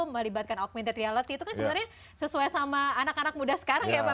melibatkan augmented reality itu kan sebenarnya sesuai sama anak anak muda sekarang ya pak